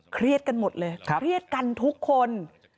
เครียดกันหมดเลยเครียดกันทุกคน